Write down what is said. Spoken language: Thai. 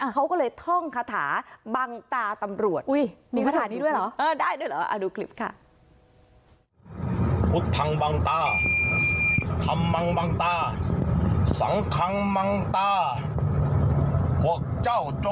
เขาก็เลยท่องคาถาบังตาตำรวจ